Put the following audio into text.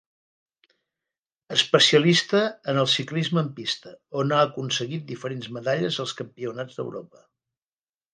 Especialista en el ciclisme en pista, on ha aconseguit diferents medalles als campionats d'Europa.